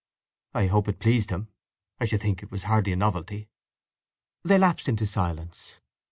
"I hope it pleased him. I should think it was hardly a novelty." They lapsed into silence.